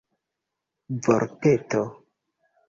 vorteto